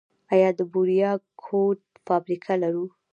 آیا د یوریا کود فابریکه لرو؟